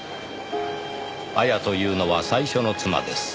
「亞矢というのは最初の妻です」